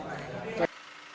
bagaimana di tempat lain